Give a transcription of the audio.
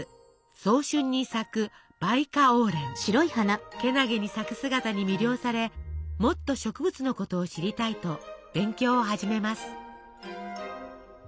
早春に咲くけなげに咲く姿に魅了されもっと植物のことを知りたいと勉強を始めます。